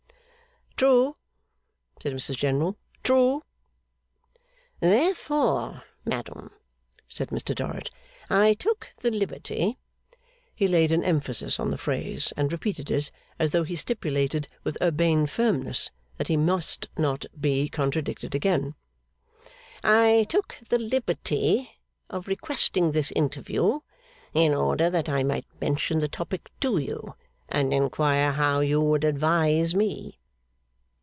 'True,' said Mrs General, 'true.' 'Therefore, madam,' said Mr Dorrit, 'I took the liberty' (he laid an emphasis on the phrase and repeated it, as though he stipulated, with urbane firmness, that he must not be contradicted again), 'I took the liberty of requesting this interview, in order that I might mention the topic to you, and inquire how you would advise me?